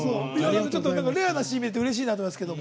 レアなシーン見れてうれしいなと思いますけども。